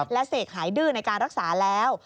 และเสกหายดื้อในการรักษาแล้ว